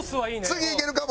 次いけるかも！